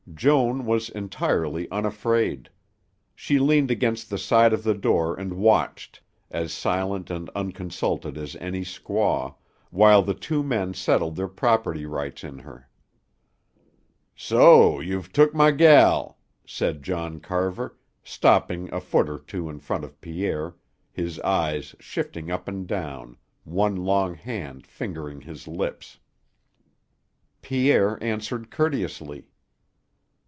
Joan was entirely unafraid. She leaned against the side of the door and watched, as silent and unconsulted as any squaw, while the two men settled their property rights in her. "So you've took my gel," said John Carver, stopping a foot or two in front of Pierre, his eyes shifting up and down, one long hand fingering his lips. Pierre answered courteously.